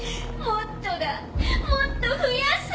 もっとだもっと増やせ。